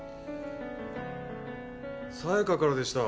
さやかからでした。